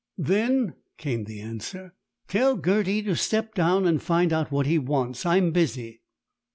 "Then," came the answer, "tell Gerty to step down and find out what he wants. I'm busy."